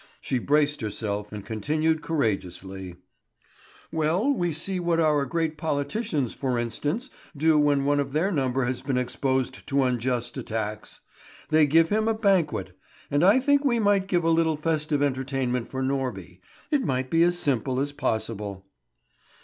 She braced herself, and continued courageously: "Well, we see what our great politicians, for instance, do when one of their number has been exposed to unjust attacks. They give him a banquet. And I think we might give a little festive entertainment for Norby; it might be as simple as possible."